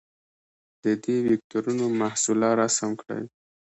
د دې وکتورونو محصله رسم کړئ.